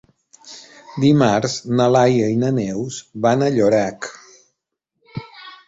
Dimarts na Laia i na Neus van a Llorac.